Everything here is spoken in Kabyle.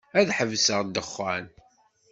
Ad ḥebseɣ ddexxan.